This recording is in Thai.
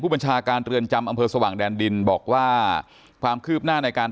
บัญชาการเรือนจำอำเภอสว่างแดนดินบอกว่าความคืบหน้าในการ